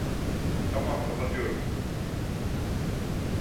Tamam, kapatıyorum.